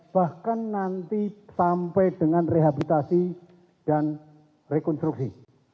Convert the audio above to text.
bahkan nanti sampai dengan rehabilitasi dan rekonstruksi